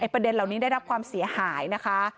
ประเด็นเหล่านี้ได้รับความเสียหายนะคะ